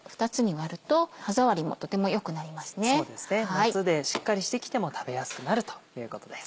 夏でしっかりしてきても食べやすくなるということです。